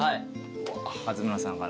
勝村さんからね。